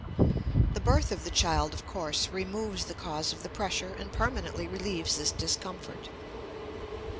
The birth of the child, of course, removes the cause of the pressure and permanently relieves this discomfort.